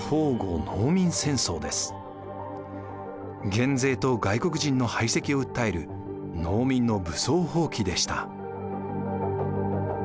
減税と外国人の排斥を訴える農民の武装蜂起でした。